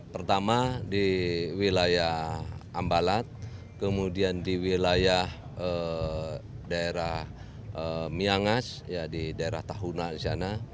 pertama di wilayah ambalat kemudian di wilayah daerah miangas di daerah tahuna di sana